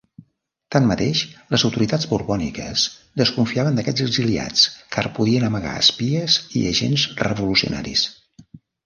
Tanmateix, les autoritats borbòniques desconfiaven d'aquests exiliats, car podien amagar espies i agents revolucionaris.